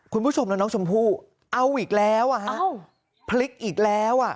คุณผู้ชมแล้วน้องชมพู้เอาอีกแล้วไงปลิ๊กอีกแล้ว